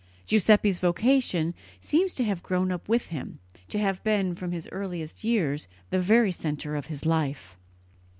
Giuseppe's vocation seems to have grown up with him, to have been, from his earliest years, the very centre of his life.